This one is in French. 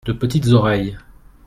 de petites oreilles.